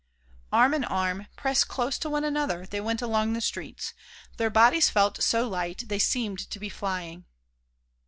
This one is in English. Arm in arm, pressed close to one another, they went along the streets; their bodies felt so light they seemed to be flying.